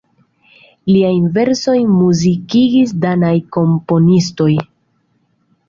Liajn versojn muzikigis danaj komponistoj.